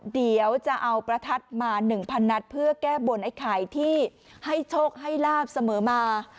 เดี๋ยวจะเอาประทัดมา๑๐๐นัดเพื่อแก้บนไอ้ไข่ที่ให้โชคให้ลาบเสมอมา